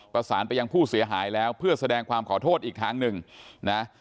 ประสานไปยังผู้เสียหายแล้วเพื่อแสดงความขอโทษอีกทางหนึ่งนะ